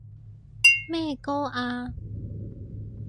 咩歌啊？